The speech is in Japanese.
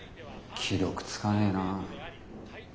既読つかねえな。